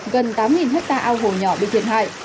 gần tám hecta ao hồ nhỏ bị thiệt hại